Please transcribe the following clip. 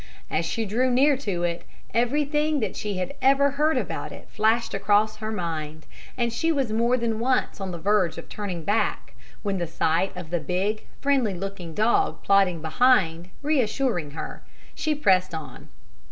As she drew near to it, everything that she had ever heard about it flashed across her mind, and she was more than once on the verge of turning back, when the sight of the big, friendly looking dog plodding behind, reassuring her, she pressed on.